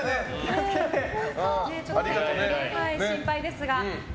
心配ですが。